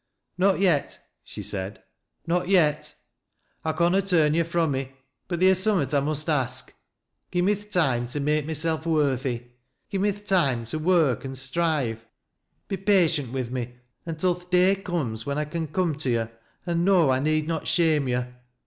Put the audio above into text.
" Not yet," she said, " not yet. I conna turn you fro^ me, but theer's summat I must ask. Give me th' time to make myself worthy — ^give me th' time to work an' strive; be patient with me until th' day comes when I can come tc yo' an' know I need not shame yo'.